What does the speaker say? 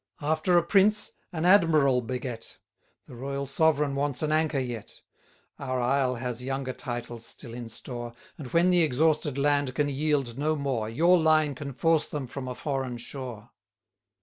After a prince, an admiral beget; The Royal Sovereign wants an anchor yet. 330 Our isle has younger titles still in store, And when the exhausted land can yield no more, Your line can force them from a foreign shore.